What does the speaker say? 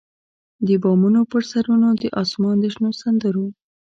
د بامونو پر سرونو د اسمان د شنو سندرو،